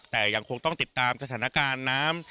แต่ยังคงต้องติดตามสถานการณ์น้ำ